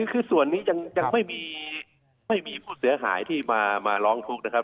คือส่วนนี้ยังไม่มีผู้เสียหายที่มาร้องทุกข์นะครับ